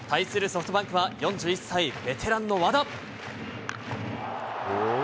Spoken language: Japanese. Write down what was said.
ソフトバンクは４１歳、ベテランの和田。